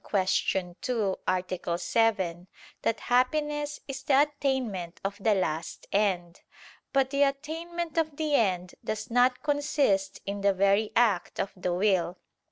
2, A. 7) that happiness is the attainment of the last end. But the attainment of the end does not consist in the very act of the will.